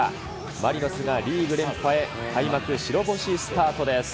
マリノスがリーグ連覇へ開幕白星スタートです。